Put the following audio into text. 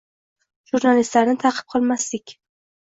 Jurnalistlarni ta'qib qilmaslik